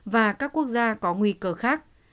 và các quốc gia có nguy cơ khách